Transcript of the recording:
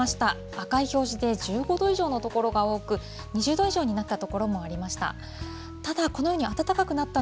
赤い表示で、１５度以上の所が多く、２０度以上になった所もありました。